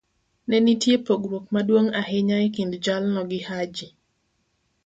ne nitie pogruok maduong ' ahinya e kind jalno gi Haji.